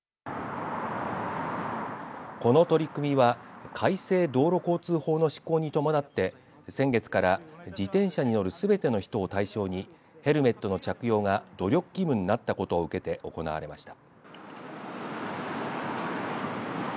この取り組みは改正道路交通法の施行に伴って先月から自転車に乗るすべての人を対象にヘルメットの着用が努力義務になったことを受けて行われました。